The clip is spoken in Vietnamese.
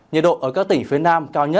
nhiệt độ ở các tỉnh phía nam cao nhất